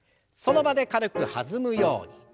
その場で軽く弾むように。